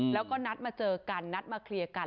แล้วก็นัดมาเจอกันนัดมาเคลียร์กัน